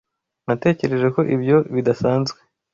Natekereje ko ibyo bidasanzwe.